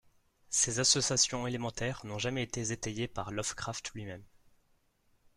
Ces associations élémentaires n'ont jamais été étayées par Lovecraft lui-même.